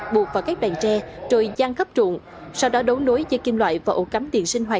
buộc vào các bàn tre rồi gian khắp trụng sau đó đấu nối dây kim loại và ổ cắm tiền sinh hoạt